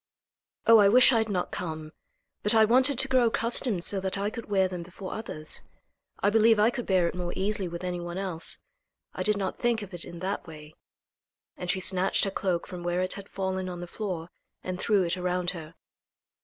"Oh! I wish I had not come. But I wanted to grow accustomed so that I could wear them before others. I believe I could bear it more easily with any one else. I did not think of it in that way," and she snatched her cloak from where it had fallen on the floor and threw it around her.